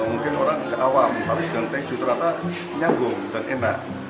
mungkin orang awam paling suka dengan keju ternyata nyanggung dan enak